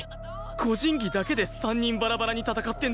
個人技だけで３人バラバラに戦ってんだよな？